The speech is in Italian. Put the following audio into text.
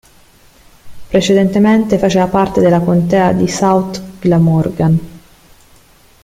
Precedentemente faceva parte della contea di South Glamorgan.